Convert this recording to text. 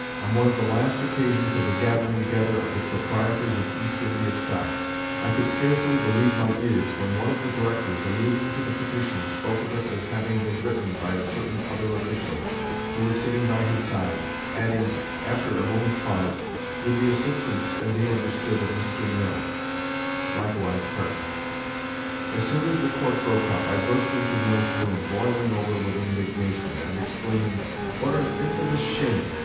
On one of the last occasions of the gathering together of the Proprietors of East India Stock, I could scarcely believe my ears, when one of the directors, alluding to the petition, spoke of it as having been written by a certain other official who was silting by his side, adding, after a moment's pause, "with the assistance, as he understood, of Mr. Mill," likewise present. As soon as the Court broke up, I burst into Mill's room, boiling over with indignation, and exclaiming, "What an infamous shame!"